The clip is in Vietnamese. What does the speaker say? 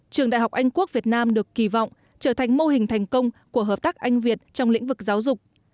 trường đại học anh quốc việt nam được kỳ vọng trở thành mô hình thành công của hợp tác anh việt trong lĩnh vực giáo dục